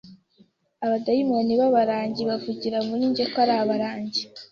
abadayimoni b’abarangi bavugira muri njye ko ari abarangi